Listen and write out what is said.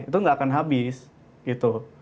itu nggak akan habis gitu